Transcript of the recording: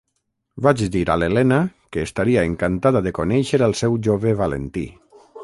vaig dir a l’Elena que estaria encantada de conéixer el seu jove Valentí.